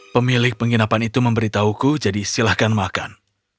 pemilik penginapan itu memberitahuku jadi silahkan makan